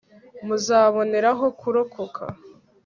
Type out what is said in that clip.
muzaboneraho kurokoka